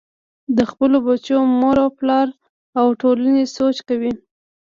د خپلو بچو مور و پلار او ټولنې سوچ کوئ -